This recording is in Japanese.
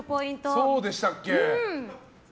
そうでしたっけ？